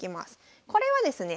これはですね